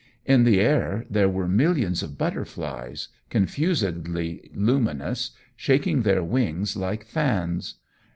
In the air there were millions of butterflies, confusedly luminous, shaking their wings like fans.